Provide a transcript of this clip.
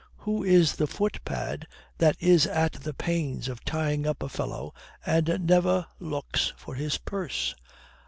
Who is the footpad that is at the pains of tying up a fellow and never looks for his purse?